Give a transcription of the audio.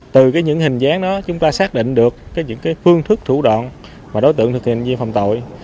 từ những hình dáng đó chúng ta xác định được những phương thức thủ đoạn mà đối tượng thực hiện viên phòng tội